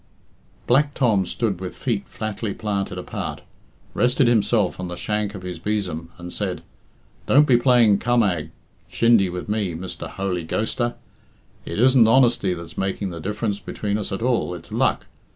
Black Tom stood with feet flatly planted apart, rested himself on the shank of his besom, and said, "Don't be playing cammag (shindy) with me, Mr. Holy Ghoster. It isn't honesty that's making the diff'rance between us at all it's luck.